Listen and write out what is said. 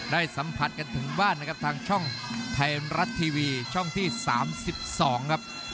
ได้สัมผัสกันถึงบ้านนะครับทางช่องไทยรัฐทีวีช่องที่๓๒ครับ